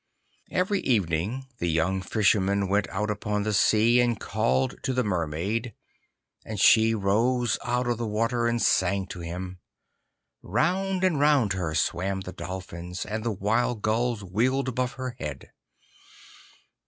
Every evening the young Fisherman went out upon the sea, and called to the Mermaid, and she rose out of the water and sang to him. Round and round her swam the dolphins, and the wild gulls wheeled above her head.